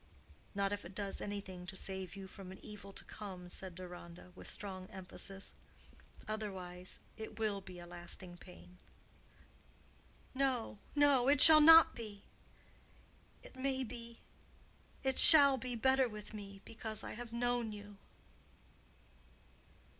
"Not if it does anything to save you from an evil to come," said Deronda, with strong emphasis; "otherwise, it will be a lasting pain." "No—no—it shall not be. It may be—it shall be better with me because I have known you."